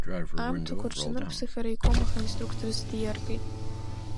Аамҭақәа рҽанырԥсах, Араикомахь инструкторс диаргеит.